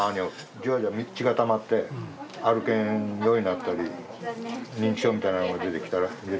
じわじわ血がたまって歩けんようになったり認知症みたいなのが出てきたら出てくるとかね